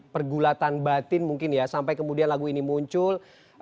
pergulatan batin mungkin ya sampai kemudian lagu ini muncul